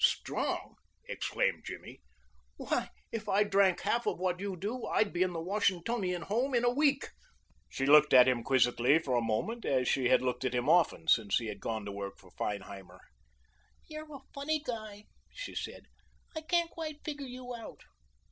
"Strong?" exclaimed Jimmy. "Why, if I drank half what you do I'd be in the Washingtonian Home in a week." She looked at him quizzically for a moment, as she had looked at him often since he had gone to work for Feinheimer. "You're a funny guy," she said. "I can't quite figure you out.